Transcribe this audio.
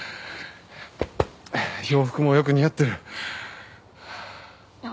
洋服もよく似合ってる。